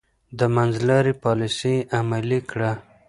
د منځلارۍ پاليسي يې عملي کړه.